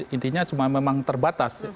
intinya cuma memang terbatas